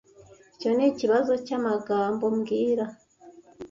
Icyo nikibazo cyamagambo mbwira